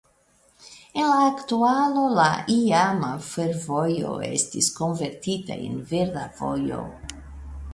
En la aktualo la iama fervojo estis konvertita en verda vojo.